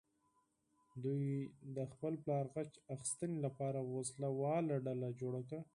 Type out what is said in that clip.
دوی د خپل پلار غچ اخیستنې لپاره وسله واله ډله جوړه کړه.